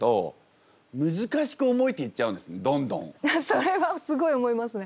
それはすごい思いますね。